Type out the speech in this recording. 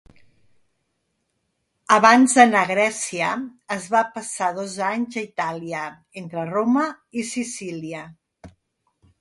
Abans d'anar a Grècia, es va passar dos anys a Itàlia, entre Roma i Sicília.